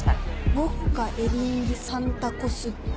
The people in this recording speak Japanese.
「ウォッカ」「エリンギ」「サンタコス」って。